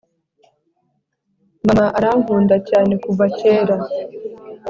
mama arankunda cyane kuva kera